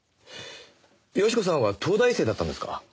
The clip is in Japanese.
好子さんは東大生だったんですか？